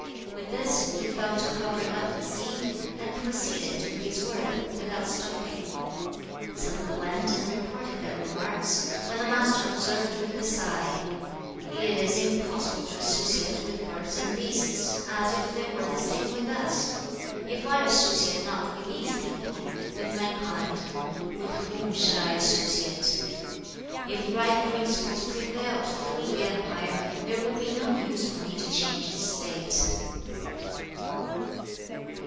With this he fell to covering up the seed, and proceeded with his work, without stopping. 4. Tsze lu went and reported their remarks, when the Master observed with a sigh, 'It is impossible to associate with birds and beasts, as if they were the same with us. If I associate not with these people, with mankind, with whom shall I associate? If right principles prevailed through the empire, there would be no use for me to change its state.'